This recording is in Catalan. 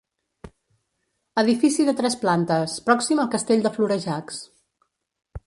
Edifici de tres plantes, pròxim al castell de Florejacs.